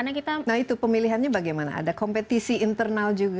nah itu pemilihannya bagaimana ada kompetisi internal juga